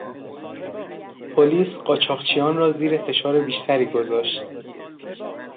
پلیس قاچاقچیان را زیر فشار بیشتری گذاشت.